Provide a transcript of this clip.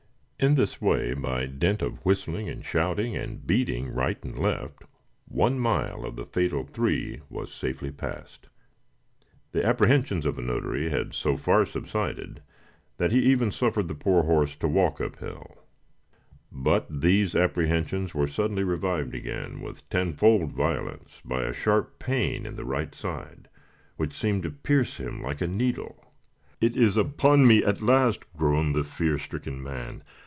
In this way, by dint of whistling and shouting, and beating right and left, one mile of the fatal three was safely passed. The apprehensions of the notary had so far subsided that he even suffered the poor horse to walk up hill; but these apprehensions were suddenly revived again with tenfold violence by a sharp pain in the right side, which seemed to pierce him like a needle. "It is upon me at last!" groaned the fear stricken man.